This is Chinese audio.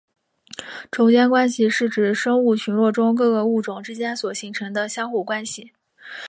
种间关系是指生物群落中各个物种之间所形成相互关系。